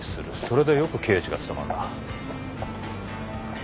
それでよく刑事が務まるな。